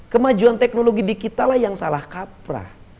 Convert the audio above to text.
kemajuan teknologi di kita lah yang salah kaprah